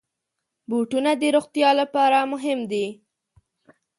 بوټونه د روغتیا لپاره مهم دي.